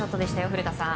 古田さん。